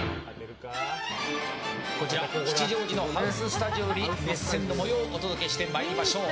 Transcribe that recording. こちら吉祥寺のハウススタジオより熱戦の模様をお届けしてまいりましょう。